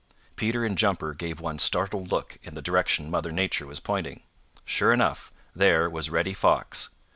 Peter and Jumper gave one startled look in the direction Mother Nature was pointing. Sure enough, there was Reddy Fox.